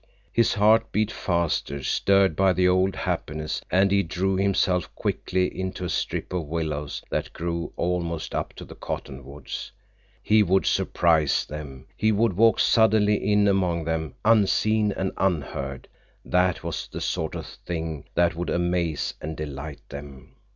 His heart beat faster, stirred by the old happiness, and he drew himself quickly into a strip of willows that grew almost up to the cottonwoods. He would surprise them! He would walk suddenly in among them, unseen and unheard. That was the sort of thing that would amaze and delight them.